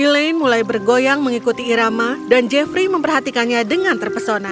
elaine mulai bergoyang mengikuti irama dan jeffrey memperhatikannya dengan terpesona